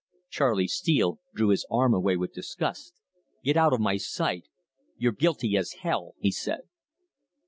Charley Steele drew his arm away with disgust. "Get out of my sight! You're as guilty as hell!" he said.